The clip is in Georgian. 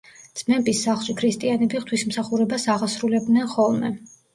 ძმების სახლში ქრისტიანები ღვთისმსახურებას აღასრულებდნენ ხოლმე.